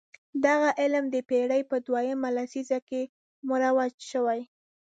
دغه علم د پېړۍ په دویمه لسیزه کې مروج شوی.